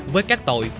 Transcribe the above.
với các tội